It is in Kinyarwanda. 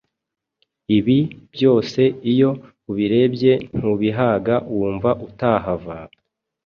Ibi byose iyo ubirebye ntubihaga wumva utahava,